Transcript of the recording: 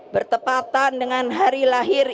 bertepatan dengan hari lahir